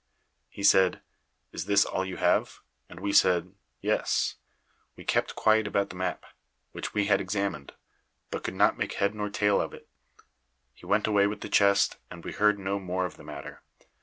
He said: 'Is this all you have?' And we said, 'Yes.' We Kept quiet about the map, which we had examined, but could not make head nor tail of it. He went away with the chest, and we heard no more of the matter.